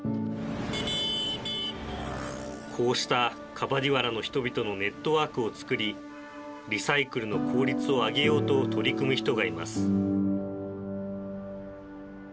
こうしたカバディワラの人々のネットワークを作りリサイクルの効率を上げようと取り組む人がいます